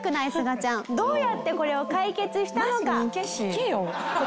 どうやってこれを解決したのか？